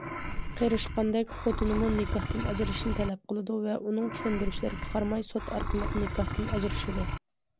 قېرىشقاندەك خوتۇنىمۇ نىكاھتىن ئاجرىشىشنى تەلەپ قىلىدۇ ۋە ئۇنىڭ چۈشەندۈرۈشلىرىگە قارىماي، سوت ئارقىلىق نىكاھتىن ئاجرىشىدۇ.